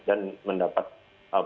dan mendapat perawatan